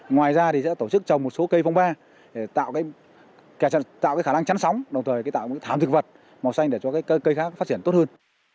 ngoài ra thì sẽ tổ chức trồng một số cây phong ba để tạo cái khả năng chắn sóng đồng thời tạo một cái thảm thực vật màu xanh để cho cái cây khác phát triển tốt hơn